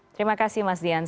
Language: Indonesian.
terima kasih mas dian